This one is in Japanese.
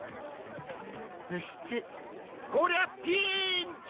こりゃピンチ！